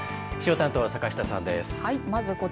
気象担当は坂下さんです。